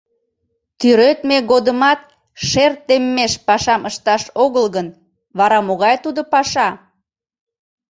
Тӱредме годымат шер теммеш пашам ышташ огыл гын, вара могай тудо паша?